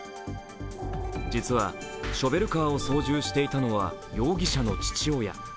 実は、ショベルカーを操縦していたのは、容疑者の父親。